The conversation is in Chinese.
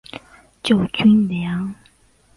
救军粮